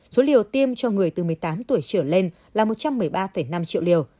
số liều tiêm cho người từ một mươi tám tuổi trở lên là một trăm một mươi ba năm triệu liều